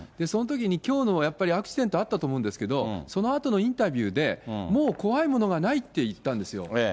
そのときにきょうのやっぱりアクシデント、あったと思うんですけど、そのあとのインタビューで、もう怖いものはないって言ったんですよ。